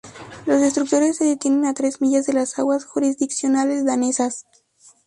Los destructores se detienen a tres millas de las aguas jurisdiccionales danesas.